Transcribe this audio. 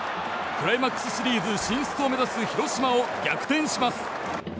クライマックスシリーズ進出を目指す広島を逆転します。